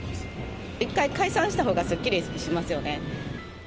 一回解散したほうが、すっきりしますよね。